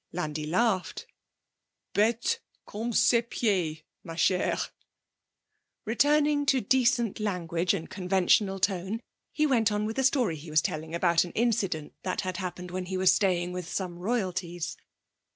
Landi laughed. 'Bête comme ses pieds, ma chère!' Returning to decent language and conventional tone, he went on with a story he was telling about an incident that had happened when he was staying with some royalties.